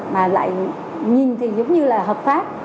mà lại nhìn thì giống như là hợp pháp